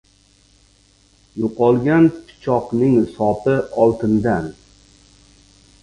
• Yo‘qolgan pichoqning sopi oltindan.